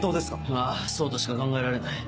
ああそうとしか考えられない。